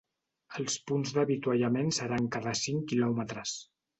Els punts d’avituallament seran cada cinc quilòmetres.